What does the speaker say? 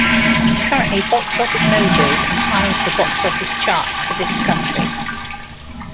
Currently, Box Office Mojo compiles the box office charts for this country.